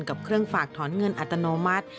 กับเครื่องฝากถอนเงินอัตโนมัติ